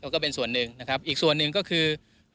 ก็เป็นส่วนหนึ่งนะครับอีกส่วนหนึ่งก็คือ